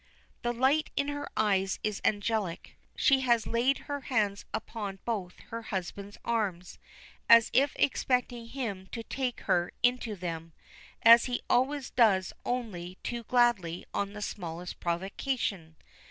The light in her eyes is angelic. She has laid her hands upon both her husband's arms, as if expecting him to take her into them, as he always does only too gladly on the smallest provocation.